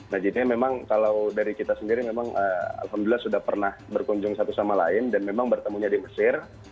nah jadinya memang kalau dari kita sendiri memang alhamdulillah sudah pernah berkunjung satu sama lain dan memang bertemunya di mesir